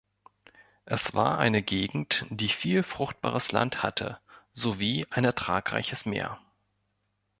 Es war eine Gegend, die viel fruchtbares Land hatte, sowie ein ertragreiches Meer.